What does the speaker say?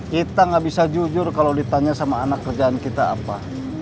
kita nggak bisa jujur kalau ditanya sama anak kerjaan kita apa